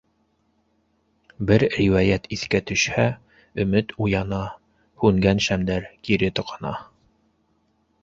Бер риүәйәт иҫкә төшһә, өмөт уяна, һүнгән шәмдәр кире тоҡана.